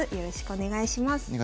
お願いします。